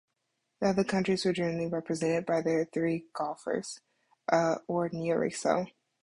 The other countries were generally represented by their best three golfers, or nearly so.